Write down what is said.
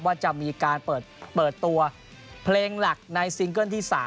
ว่าจะมีการเปิดตัวเพลงหลักในซิงเกิ้ลที่๓